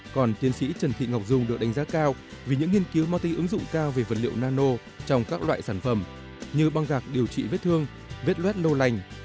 còn tiến sĩ trần thị ngọc dung được đánh giá cao vì những nghiên cứu mang tính ứng dụng cao về vật liệu nano trong các loại sản phẩm như băng gạc điều trị vết thương vết luet lâu lành